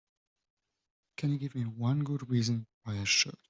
Can you give me one good reason why I should?